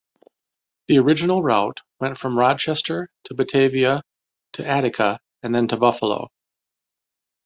The original route went from Rochester to Batavia to Attica and then to Buffalo.